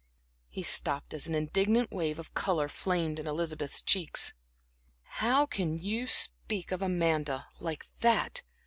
He stopped as an indignant wave of color flamed in Elizabeth's cheeks. "How can you speak of Amanda like that?"